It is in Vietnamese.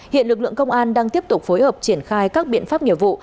hiện lực lượng công an đang tiếp tục phối hợp triển khai các biện pháp nghiệp vụ